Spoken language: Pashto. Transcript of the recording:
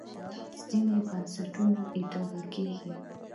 دولت ځینې بنسټونه اداره کېږي.